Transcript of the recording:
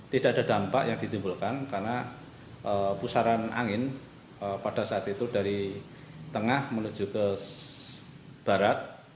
tidak ada dampak yang ditimbulkan karena pusaran angin pada saat itu dari tengah menuju ke barat